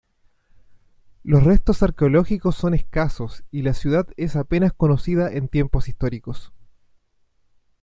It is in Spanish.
Los restos arqueológicos son escasos y la ciudad es apenas conocida en tiempos históricos.